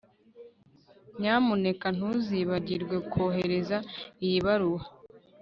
Nyamuneka ntuzibagirwe kohereza iyi baruwa